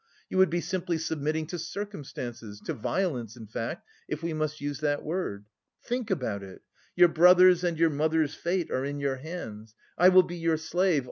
You would be simply submitting to circumstances, to violence, in fact, if we must use that word. Think about it. Your brother's and your mother's fate are in your hands. I will be your slave...